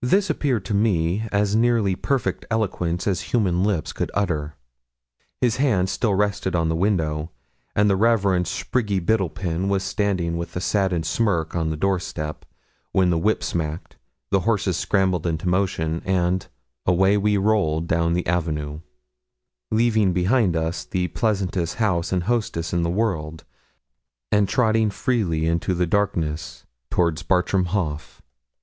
This appeared to me as nearly perfect eloquence as human lips could utter. His hand still rested on the window, and the Rev. Sprigge Biddlepen was standing with a saddened smirk on the door steps, when the whip smacked, the horses scrambled into motion, and away we rolled down the avenue, leaving behind us the pleasantest house and hostess in the world, and trotting fleetly into darkness towards Bartram Haugh.